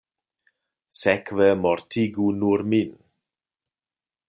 Sekve, mortigu nur min.